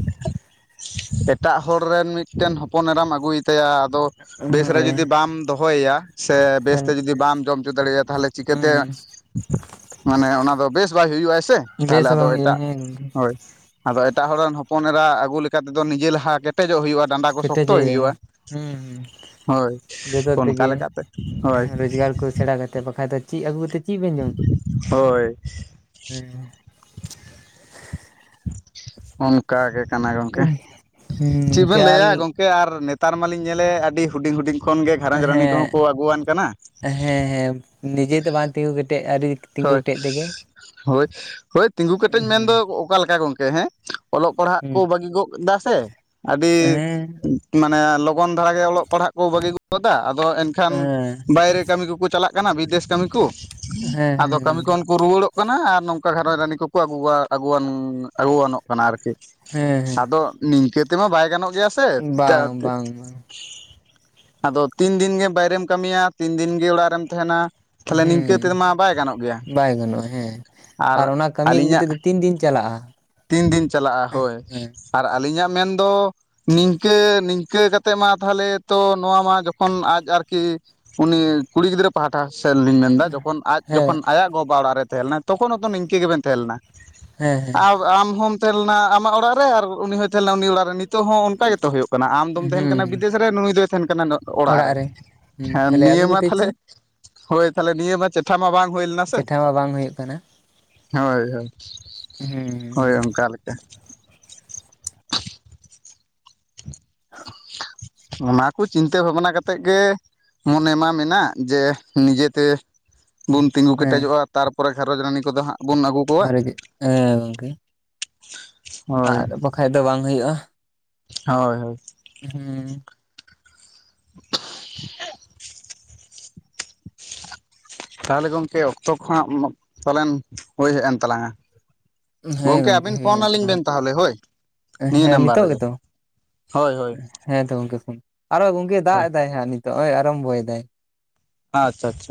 Speaker 2: ᱮᱴᱟᱜ ᱦᱚᱲ ᱨᱮᱱ ᱢᱤᱫᱴᱮᱱ ᱦᱚᱯᱚᱱ ᱮᱨᱟᱢ ᱟᱹᱜᱩᱭ ᱛᱮ ᱟᱫᱚ ᱵᱮᱥ ᱨᱮ
Speaker 1: ᱦᱳᱭ
Speaker 2: ᱡᱩᱫᱤ ᱵᱟᱢ ᱫᱚᱦᱚᱭᱮᱭᱟ ᱥᱮ ᱵᱮᱥᱛᱮ
Speaker 1: ᱛᱟᱦᱞᱮ
Speaker 2: ᱡᱩᱫᱤ ᱵᱟᱢ ᱡᱚᱢ ᱦᱚᱪᱚ ᱫᱟᱲᱮᱭᱟᱜᱼᱟ ᱛᱟᱦᱚᱞᱮ ᱪᱤᱠᱟᱹ ᱛᱮ
Speaker 1: ᱦᱩᱸ
Speaker 2: ᱢᱟᱱᱮ ᱚᱱᱟ ᱫᱚ ᱵᱮᱥ ᱵᱟᱭ ᱦᱩᱭᱩᱜᱼᱟ ᱥᱮ ᱛᱟᱦᱞᱮ ᱟᱫᱚ ᱮᱴᱟᱜ
Speaker 1: ᱦᱩᱸ
Speaker 2: ᱦᱳᱭ ᱟᱫᱚ ᱮᱴᱟᱜ ᱦᱚᱲ ᱨᱮᱱ ᱦᱚᱯᱚᱱ ᱮᱨᱟ ᱟᱹᱜᱩ ᱞᱮᱠᱟ ᱛᱮᱫᱚ ᱱᱤᱡᱮ ᱞᱟᱦᱟ [unintelligible] ᱠᱴᱮᱡᱚᱜ ᱦᱩᱭᱩᱜᱼᱟ ᱰᱟᱸᱰᱟ ᱠᱚ
Speaker 1: ᱠᱮᱴᱮᱡᱮ
Speaker 2: ᱥᱚᱠᱛᱚᱭ ᱦᱩᱭᱩᱜᱼᱟ
Speaker 1: ᱦᱩᱸ
Speaker 2: ᱾ ᱦᱳᱭ
Speaker 1: ᱡᱚᱛᱚ
Speaker 2: ᱚᱱᱠᱟ
Speaker 1: ᱛᱮᱜᱮ
Speaker 2: ᱞᱮᱠᱟᱛᱮ ᱦᱳᱭ ᱾
Speaker 1: ᱨᱳᱡᱽᱜᱟᱨ ᱠᱚ ᱥᱮᱬᱟ ᱠᱟᱛᱮᱫ ᱵᱟᱠᱷᱟᱡ ᱫᱚ ᱪᱮᱫ ᱟᱹᱜᱩ ᱠᱟᱛᱮ ᱪᱮᱫ ᱵᱮᱱ ᱡᱚᱢ ᱦᱮᱸ ᱦᱮᱸ
Speaker 2: ᱚᱱᱠᱟ ᱜᱮ ᱠᱟᱱᱟ ᱜᱚᱝᱠᱮ ᱪᱮᱫ
Speaker 1: ᱦᱩᱸ
Speaker 2: ᱵᱮᱱ
Speaker 1: ᱠᱮᱭᱟᱞ
Speaker 2: ᱞᱟᱹᱭᱟ ᱜᱚᱝ ᱠᱮ ᱟᱨ ᱱᱮᱛᱟᱨ ᱢᱟᱞᱤᱧ ᱧᱮᱞᱮ ᱟᱹᱰᱤ ᱦᱩᱰᱤᱧ ᱦᱩᱰᱤᱧ ᱠᱷᱚᱱᱜᱮ ᱜᱷᱟᱨᱚᱸᱡᱽ ᱨᱟᱹᱱᱤ ᱠᱚᱦᱚᱸ
Speaker 1: ᱦᱮᱸ
Speaker 2: ᱠᱚ ᱟᱹᱜᱩᱣᱟᱱ ᱠᱟᱱᱟ ᱾
Speaker 1: ᱦᱮᱸ ᱦᱮᱸ ᱾ ᱱᱤᱡᱮ ᱛᱮ ᱵᱟ ᱛᱤᱸᱜᱩ ᱠᱮᱴᱮᱡ ᱟᱹᱨᱤ
Speaker 2: ᱦᱳᱭ ᱦᱳᱭ ᱦᱳᱭ ᱛᱤᱸᱜᱩ ᱠᱮᱴᱮᱡ
Speaker 1: ᱦᱩᱸ
Speaker 2: ᱢᱮᱱᱫᱚ ᱚᱠᱟ ᱞᱮᱠᱟ ᱜᱚᱢᱠᱮ ᱦᱮᱸ ᱾ ᱚᱞᱚᱜ ᱯᱟᱲᱦᱟᱜ ᱠᱚ
Speaker 1: ᱦᱩᱸ
Speaker 2: ᱵᱟᱹᱜᱤ ᱜᱚᱜ ᱮᱫᱟ ᱥᱮ ᱟᱹᱰᱤ
Speaker 1: ᱦᱮᱸ
Speaker 2: ᱢᱟᱱᱮ ᱞᱚᱜᱚᱱ ᱫᱷᱟᱨᱟᱜᱮ ᱚᱞᱚᱜ ᱯᱟᱲᱦᱟᱜ ᱠᱚ ᱵᱟᱹᱜᱤ ᱜᱚᱫᱟ ᱟᱫᱚ ᱮᱱᱠᱷᱟᱱ
Speaker 1: ᱦᱮᱸ
Speaker 2: ᱵᱟᱭᱨᱮ ᱠᱟᱹᱢᱤ ᱠᱚᱠᱚ ᱪᱟᱞᱟᱜ ᱠᱟᱱᱟ ᱵᱤᱫᱮᱥ ᱠᱟᱹᱢᱤ ᱠᱚ ᱾
Speaker 1: ᱦᱮᱸ
Speaker 2: ᱟᱫᱚ
Speaker 1: ᱦᱮᱸ
Speaker 2: ᱠᱟᱹᱢᱤ
Speaker 1: ᱜᱚᱝᱠᱮ
Speaker 2: ᱠᱷᱚᱱ ᱠᱩ ᱨᱩᱣᱟᱹᱲᱚᱜ ᱠᱟᱱᱟ ᱟᱨ ᱱᱚᱝᱠᱟ ᱜᱷᱟᱨᱚᱸᱡᱽ ᱨᱟᱹᱱᱤ ᱠᱚᱠᱚ ᱟᱹᱜᱩᱣᱟ ᱟᱹᱜᱩᱣᱟᱱ ᱟᱹᱜᱩᱣᱟᱱᱚᱜ ᱠᱟᱱᱟ ᱟᱨᱠᱤ
Speaker 1: ᱦᱮᱸ
Speaker 2: ᱟᱫᱚ ᱱᱤᱝᱠᱟᱹ ᱛᱮᱢᱟ ᱵᱟᱭ ᱜᱟᱱᱚᱜ ᱜᱮᱭᱟ ᱥᱮ
Speaker 1: ᱦᱮᱸ
Speaker 2: ᱡᱟᱦᱟᱸ
Speaker 1: ᱵᱟᱝ
Speaker 2: ᱛᱮ
Speaker 1: ᱵᱟᱝ ᱵᱟᱝ
Speaker 2: ᱟᱫᱚ ᱛᱤᱱ ᱫᱤᱱ ᱜᱮ ᱵᱟᱭᱨᱮᱢ ᱠᱟᱹᱢᱤᱭᱟ ᱛᱤᱱ ᱫᱤᱱ ᱜᱮ ᱚᱲᱟᱜ ᱨᱮᱢ ᱛᱟᱦᱮᱱᱟ ᱾
Speaker 1: ᱦᱮᱸ ᱾ ᱵᱟᱭ ᱜᱟᱱᱚᱜᱼᱟ ᱦᱮᱸ ᱟᱨ ᱚᱱᱟ ᱠᱟᱹᱢᱤ ᱟᱹᱜᱩ ᱠᱟᱛᱮᱫ ᱫᱚ ᱛᱤᱱ ᱫᱤᱱ ᱪᱟᱞᱟᱜᱼᱟ ᱾
Speaker 2: ᱛᱤᱱ ᱫᱤᱱ ᱪᱟᱞᱟᱜᱼᱟ ᱦᱳᱭ ᱟᱨ ᱟᱹᱞᱤᱧᱟᱜ ᱢᱮᱱᱫᱚ ᱱᱤᱝᱠᱟᱹ ᱱᱤᱝᱠᱟᱹ ᱠᱟᱛᱮᱜ ᱢᱟ ᱛᱟᱦᱚᱞᱮ ᱛᱚ ᱱᱚᱣᱟ ᱢᱟ ᱡᱚᱠᱷᱚᱱ ᱟᱡ ᱟᱨᱠᱤ ᱩᱱᱤ ᱠᱩᱲᱤ ᱜᱤᱫᱽᱨᱟᱹ ᱯᱟᱦᱴᱟ ᱥᱮᱫᱞᱤᱧ ᱢᱮᱱᱫᱟ, ᱡᱚᱠᱷᱚᱱ ᱟᱡ
Speaker 1: ᱦᱮᱸ
Speaker 2: ᱡᱚᱠᱷᱚᱱ, ᱟᱭᱟᱜ ᱜᱚᱵᱟ ᱚᱱᱟᱜ ᱨᱮ ᱛᱟᱦᱮᱸ ᱞᱮᱱᱟ ᱛᱚᱠᱷᱚᱱ ᱦᱛᱚ ᱱᱤᱝᱠᱟᱹ ᱜᱮᱵᱮᱱ ᱛᱟᱦᱮᱸ ᱞᱮᱱᱟ?
Speaker 1: ᱦᱮᱸ ᱦᱮᱸ,
Speaker 2: ᱟᱨ ᱟᱢ ᱦᱚᱢ ᱛᱟᱦᱮᱸ ᱞᱮᱱᱟ ᱟᱢᱟᱜ ᱚᱲᱟᱜ ᱨᱮ, ᱟᱨ ᱩᱱᱤ ᱦᱚᱸᱭ ᱛᱟᱦᱮᱸ ᱞᱮᱱᱟ ᱩᱱᱤ ᱚᱲᱟᱜ ᱨᱮ, ᱱᱤᱛ ᱱᱤᱛᱚᱜ ᱦᱚᱸ ᱚᱱᱠᱟ ᱜᱮᱛᱚ ᱦᱳᱭᱳᱜ ᱠᱟᱱᱟ, ᱟᱢ ᱫᱚᱢ ᱛᱟᱦᱮᱱ
Speaker 1: ᱦᱩᱸ
Speaker 2: ᱠᱟᱱᱟ ᱵᱤᱫᱮᱥ ᱨᱮ, ᱱᱩᱭ ᱫᱚᱭ ᱛᱟᱦᱮᱱ ᱠᱟᱱᱟ ᱚᱲᱟᱜ ᱨᱮ᱾
Speaker 1: ᱦᱩᱸ
Speaker 2: ᱦᱮᱸ
Speaker 1: ᱛᱟᱦᱞᱮ ᱟᱹᱜᱩ
Speaker 2: ᱱᱤᱭᱟᱹ ᱢᱟ
Speaker 1: ᱠᱟᱛᱮᱫ
Speaker 2: ᱛᱟᱦᱞᱮ,
Speaker 1: ᱪᱮᱫ
Speaker 2: ᱦᱳᱭ ᱛᱟᱦᱞᱮ ᱱᱤᱭᱟᱹ ᱢᱟ ᱪᱮ ᱠᱟᱛᱷᱟ ᱢᱟ ᱵᱟᱝ ᱦᱳᱭ ᱞᱮᱱᱟ ᱥᱮ,
Speaker 1: ᱪᱮᱴᱷᱟ ᱢᱟ ᱵᱟᱝ ᱦᱩᱭᱩᱜ ᱠᱟᱱᱟ
Speaker 2: ᱦᱳᱭ ᱦᱳᱭ,
Speaker 1: ᱦᱩᱸ
Speaker 2: ᱦᱳᱭ ᱚᱱᱠᱟ ᱞᱮᱠᱟ᱾ [unintelligible] ᱚᱱᱟ ᱠᱚ ᱪᱤᱱᱛᱟᱹ ᱵᱷᱟᱵᱱᱟ ᱠᱟᱛᱮᱫ ᱜᱮ, ᱢᱚᱱᱮ ᱢᱟ ᱢᱮᱱᱟᱜ ᱡᱮ ᱱᱤᱡᱮᱛᱮ ᱵᱩᱱ ᱛᱤᱸᱜᱩ
Speaker 1: ᱦᱮᱸ
Speaker 2: ᱠᱮᱴᱮᱡᱚᱜᱼᱟ, ᱛᱟᱨᱯᱚᱨᱮ ᱜᱸᱨᱚᱡᱽ ᱨᱟᱱᱤ ᱠᱚᱫᱚ ᱦᱟᱸᱜ ᱵᱩᱱ ᱟᱹᱜᱩ ᱠᱚᱣᱟ
Speaker 1: ᱢᱟᱨᱮ ᱜᱮ ᱮ ᱜᱚᱝᱠᱮ
Speaker 2: ᱦᱳᱭ
Speaker 1: ᱟᱫ ᱵᱟᱠᱷᱟᱡ ᱫᱚ ᱵᱟᱝ ᱦᱩᱭᱩᱜᱼᱟ᱾
Speaker 2: ᱦᱳᱭ, ᱦᱳᱭ,
Speaker 1: ᱦᱩᱸ
Speaker 2: ᱛᱟᱦᱚᱞᱮ ᱜᱚᱝᱠᱮ ᱚᱠᱛᱚ ᱠᱚ ᱦᱟᱜ, ᱯᱟᱞᱮᱱ ᱦᱳᱭ ᱦᱮᱡ ᱮᱱ ᱛᱟᱞᱟᱝᱟ᱾
Speaker 1: ᱦᱮᱸ
Speaker 2: ᱜᱚᱢᱠᱮ
Speaker 1: ᱜᱚᱝᱠᱮ
Speaker 2: ᱟᱵᱤᱱ ᱯᱷᱳᱱ
Speaker 1: ᱦᱩᱭᱮᱱ
Speaker 2: ᱟᱹᱞᱤᱧ
Speaker 1: ᱛᱟᱞᱟᱝᱟ
Speaker 2: ᱵᱮᱱ ᱛᱟᱦᱚᱞᱮ ᱦᱳᱭ, ᱱᱤᱭᱟᱹ ᱱᱟᱢᱵᱟᱨ ᱨᱮᱜᱮ, ᱦᱳᱭ ᱦᱳᱭ
Speaker 1: ᱦᱮᱸᱛᱚ ᱜᱚᱝᱠᱮ ᱯᱳᱱ, ᱟᱨᱚ ᱜᱚᱝᱠᱮ ᱫᱟᱜ
Speaker 2: ᱦᱳᱭ
Speaker 1: ᱮᱫᱟᱭ ᱦᱟᱸᱜ ᱱᱤᱛᱳᱜ ᱦᱚᱭ ᱟᱨᱚᱢᱵᱚ ᱭᱮᱫᱟᱭ᱾
Speaker 2: ᱟᱪᱪᱷᱟ, ᱟᱪᱪᱷᱟ